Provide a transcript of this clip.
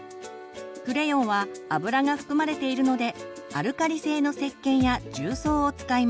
クレヨンは油が含まれているのでアルカリ性のせっけんや重曹を使います。